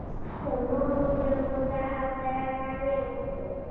خو نورو ژبو ته هم درناوی وکړو.